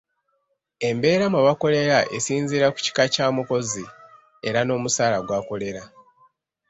Embeera mwe bakolera esinziira ku kika Kya mukozi era n'omusaala gw'akolera.